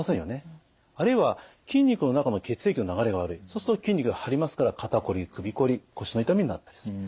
あるいは筋肉の中の血液の流れが悪いそうすると筋肉が張りますから肩こり首こり腰の痛みになったりする。